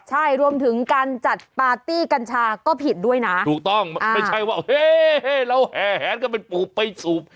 ใช่รวมถึงการจัดปาร์ตี้กัญชาก็ผิดด้วยนะถูกต้องไม่ใช่ว่าเฮเราแห่แหนกันเป็นปูบไปสูบ